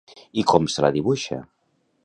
I com se la dibuixa?